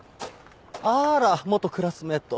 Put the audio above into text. あら元クラスメート。